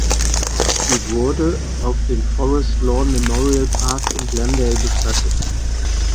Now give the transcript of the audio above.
Sie wurde auf dem Forest Lawn Memorial Park in Glendale bestattet.